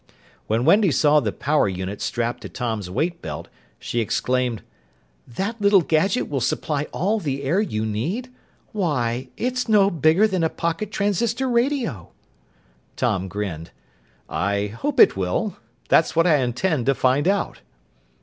When Sandy saw the power unit strapped to Tom's weight belt, she exclaimed, "That little gadget will supply all the air you need? Why, it's no bigger than a pocket transistor radio!" Tom grinned. "I hope it will. That's what I intend to find out."